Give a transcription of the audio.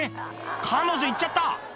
彼女行っちゃった。